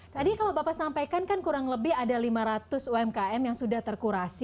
tadi kalau bapak sampaikan kan kurang lebih ada lima ratus umkm yang sudah terkurasi